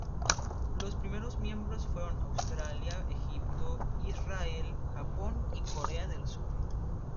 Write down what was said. Los primeros miembros fueron Australia, Egipto, Israel, Japón y Corea del Sur.